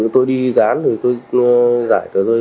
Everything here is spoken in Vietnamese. tôi đi gián tôi giải tờ rơi